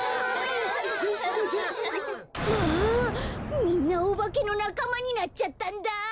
みんなおばけのなかまになっちゃったんだ！